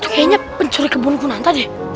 itu kayaknya pencuri kebun gunanta deh